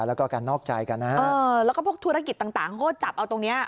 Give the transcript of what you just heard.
แล้วก็การนอกใจกันนะฮะเออแล้วก็พวกธุรกิจต่างเขาก็จับเอาตรงเนี้ย